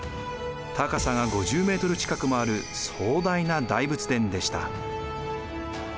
高さが５０ｍ近くもある壮大な大仏殿でした。